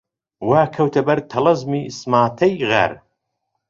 وا کەوتە بەر تەڵەزمی سماتەی غار